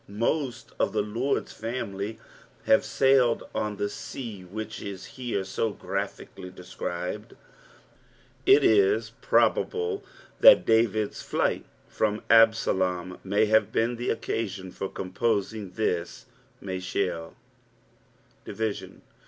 Most t^ the Zor^s family have sailed on the sea which is here so graphically described. It is probable thai Davids sfiighlfnmi Absalom may haiie been the occasion/or composing this Maschil. dviaioN.